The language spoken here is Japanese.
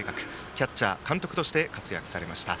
キャッチャー、監督として活躍されました。